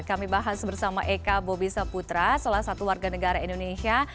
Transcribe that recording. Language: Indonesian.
kami bahas bersama eka bobi saputra salah satu warga negara indonesia